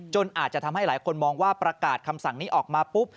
อาจจะทำให้หลายคนมองว่าประกาศคำสั่งนี้ออกมาปุ๊บ